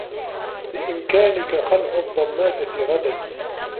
بإمكانك خلع الضّمادة غدا.